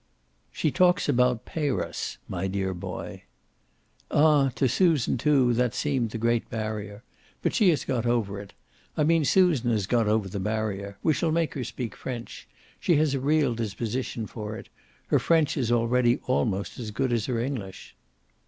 "She talks about 'Parus,' my dear boy." "Ah to Susan too that seemed the great barrier. But she has got over it. I mean Susan has got over the barrier. We shall make her speak French; she has a real disposition for it; her French is already almost as good as her English."